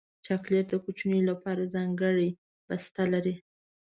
چاکلېټ د کوچنیو لپاره ځانګړی بسته لري.